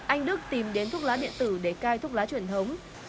anh đức tìm đến thuốc lá điện tử để cai thuốc lá truyền thống